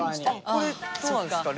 これどうなんですか？